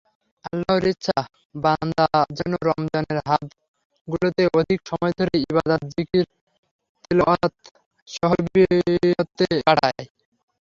আল্লাহর ইচ্ছা বান্দা যেন রমজানের রাতগুলোতে অধিক সময় ধরে ইবাদতজিকিরতিলাওয়াততসবিহতে কাটায়।